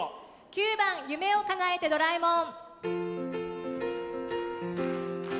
９番「夢をかなえてドラえもん」。